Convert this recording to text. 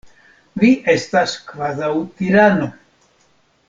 Vi estas kvazaŭ tirano.